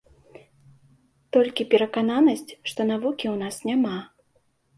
Толькі перакананасць, што навукі ў нас няма.